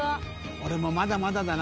俺もまだまだだな。